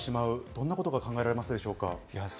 どんなことが考えられますか？